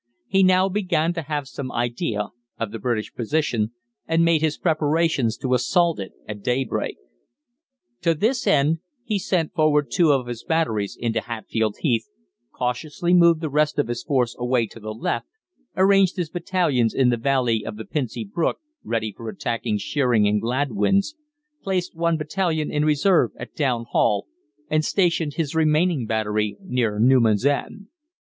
He now began to have some idea of the British position, and made his preparations to assault it at daybreak. To this end he sent forward two of his batteries into Hatfield Heath, cautiously moved the rest of his force away to the left, arranged his battalions in the valley of the Pincey Brook ready for attacking Sheering and Gladwyns, placed one battalion in reserve at Down Hall, and stationed his remaining battery near Newman's End.